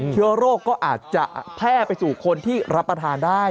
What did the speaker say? เชื้อโรคก็อาจจะแพร่ไปสู่คนที่รับประทานได้